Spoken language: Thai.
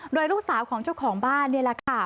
โดยลูกสาวของเจ้าของบ้านนี่แหละค่ะ